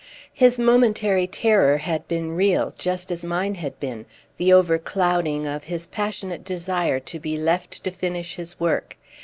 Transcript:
His momentary terror had been real, just as mine had been—the overclouding of his passionate desire to be left to finish his work.